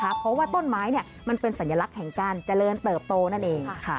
เพราะว่าต้นไม้มันเป็นสัญลักษณ์แห่งการเจริญเติบโตนั่นเอง